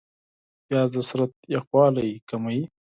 پیاز د بدن یخوالی کموي